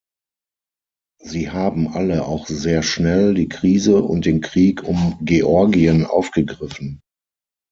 Sie haben alle auch sehr schnell die Krise und den Krieg um Georgien aufgegriffen.